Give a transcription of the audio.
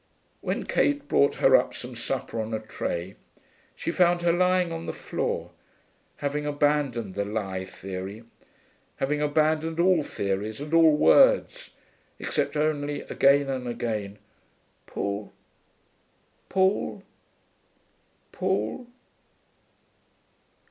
When Kate brought her up some supper on a tray, she found her lying on the floor, having abandoned the lie theory, having abandoned all theories and all words, except only, again and again, 'Paul ... Paul ... Paul....'